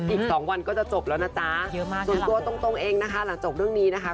อีกสองวันก็จะจบแล้วนะจ๊ะเยอะมากส่วนตัวตรงเองนะคะหลังจบเรื่องนี้นะคะ